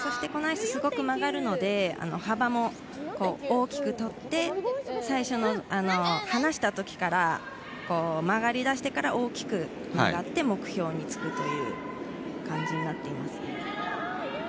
このアイスはすごく曲がるので、幅を大きくとって最初に離した時から曲がり出してから大きくなって目標につくという感じになっています。